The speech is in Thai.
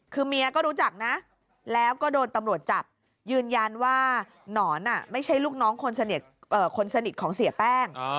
คือเมียก็รู้จักนะแล้วก็โดนตำรวจจับยืนยันว่าหนอนไม่ใช่ลูกน้องคนสนิทของเสียแป้ง